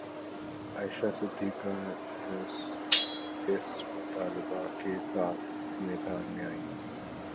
عائشہ صدیقہ رض اس مطالبہ کے ساتھ میدان میں آئیں